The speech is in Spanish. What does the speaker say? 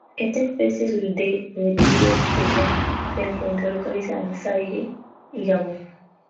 Esta especie de Lepidoptera se encuentra localizada en Zaire y Gabón.